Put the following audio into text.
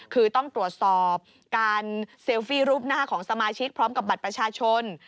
คือต้องตรวจสอบการเซลฟี่รูปหน้าของสมาชิกพร้อมกับบัตรประชาชน